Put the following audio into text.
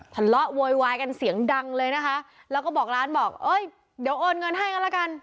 โวยวายกันเสียงดังเลยนะคะแล้วก็บอกร้านบอกเอ้ยเดี๋ยวโอนเงินให้กันละกัน